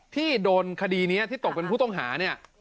ที่โดนคดีนี้ที่ตกเป็นผู้ต้องหาเนี่ย